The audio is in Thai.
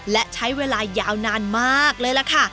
และใช้เวลายาวนานมากเลยล่ะค่ะ